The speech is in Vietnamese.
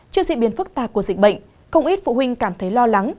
trước diễn biến phức tạp của dịch bệnh không ít phụ huynh cảm thấy lo lắng